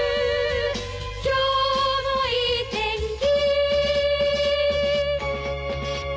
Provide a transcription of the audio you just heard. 「今日もいい天気」